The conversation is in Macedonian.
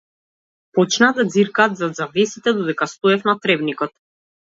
Почнаа да ѕиркаат зад завесите додека стоев на тревникот.